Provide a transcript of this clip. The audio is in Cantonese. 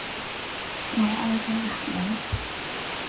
我愛嘅男人